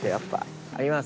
あります。